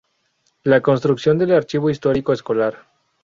La construcción del Archivo Histórico Escolar.